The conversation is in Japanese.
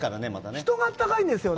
人があったかいんですよね。